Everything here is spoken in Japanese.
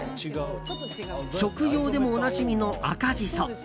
食用でもおなじみの赤ジソ。